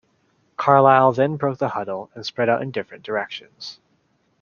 Carlisle then broke the huddle and spread out in different directions.